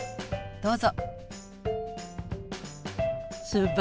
どうぞ。